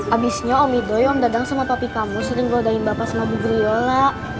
abisnya om idoi om dadang sama papi kamu sering ngelodain bapak sama bu guliola